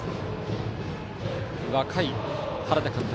若い原田監督。